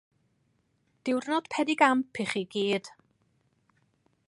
Diwrnod penigamp i chi i gyd.